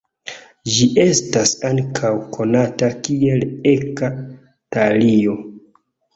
Ĝi estas ankaŭ konata kiel eka-talio.